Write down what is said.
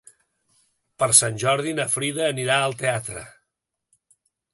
Per Sant Jordi na Frida anirà al teatre.